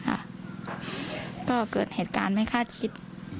ก็เกิดเหตุการณ์ไม่คาดคิด